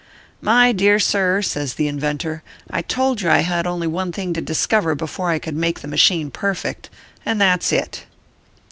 " My dear sir/ says the inventor, " I told you I had only one thing to discover before I could make the machine perfect, and that s it."